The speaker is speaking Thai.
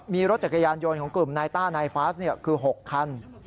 มีรถจักรยานยนต์ของกลุ่มนายต้านายฟาสคือ๖คัน